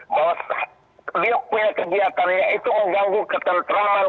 bahwa dia punya kegiatannya itu mengganggu ketentangan